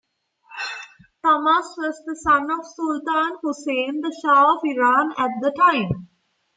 Tahmasp was the son of Sultan Husayn, the Shah of Iran at the time.